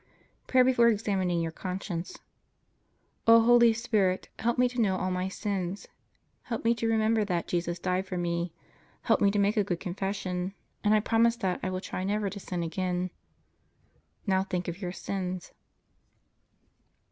] PRAYER BEFORE EXAMINING YOUR CONSCIENCE O Holy Spirit, help me to know all my sins. Help me to remember that Jesus died for me. Help me to make a good confession and I promise that I will try never to sin again. Now think of your sins.